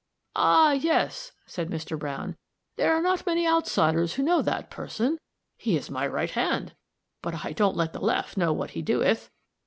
"Ah! yes," said Mr. Browne, "there are not many outsiders who know that person. He is my right hand, but I don't let the left know what he doeth.